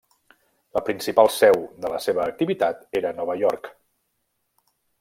La principal seu de la seva activitat era a Nova York.